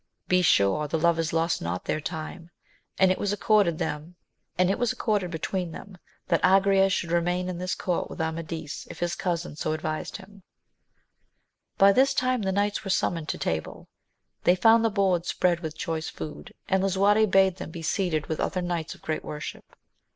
Besure the lovers lost not their time ; and it was accorded between them that Agrayes should remain in this court with Amadis, if his cousin so advised \i\m. AMADIS OF OAUL. 145 By this time the knights were summoned to table ; they found the boards spread with choice food, and lisuarte bade them be seated with other knights of great worship.